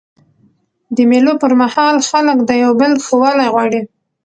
د مېلو پر مهال خلک د یو بل ښه والی غواړي.